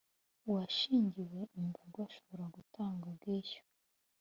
Uwashingiwe imbago ashobora gutanga ubwishyu